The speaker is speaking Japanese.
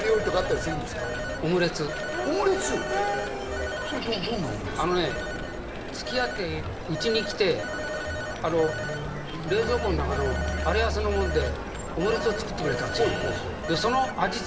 それどんなオムレツつきあって家に来て冷蔵庫の中のあり合わせのものでオムレツを作ってくれたんですよで